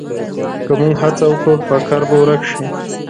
که موږ هڅه وکړو، فقر به ورک شي.